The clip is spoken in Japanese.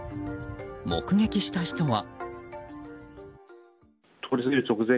目撃した人は。